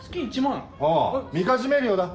みかじめ料だ。